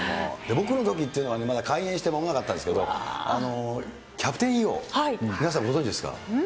僕のときっていうのは、まだ開園してまもなかったんですけど、キャプテンＥＯ、皆さん、ご存じですか？